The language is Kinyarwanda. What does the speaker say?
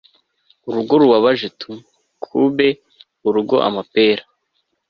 urugo rubabaje to cube urugoamapera